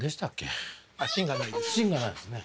「芯がない」ですよね。